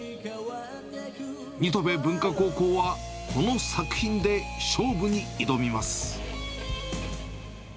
新渡戸文化高校はこの作品で勝負に挑みます。